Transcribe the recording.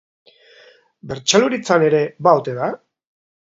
Bertsolaritzan ere ba ote da?